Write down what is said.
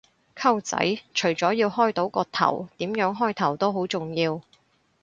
溝仔，除咗要開到個頭，點樣開頭都好重要